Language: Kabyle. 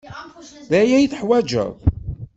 D aya ay teḥwaǧeḍ.